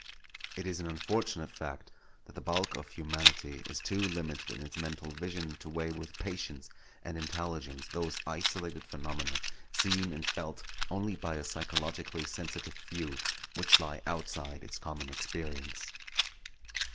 It is an unfortunate fact that the bulk of humanity is too limited in its mental vision to weigh with patience and intelligence those isolated phenomena, seen and felt only by a psychologically sensitive few, which lie outside its common experience.